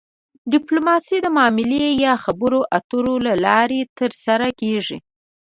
ډیپلوماسي د معاملې یا خبرو اترو له لارې ترسره کیږي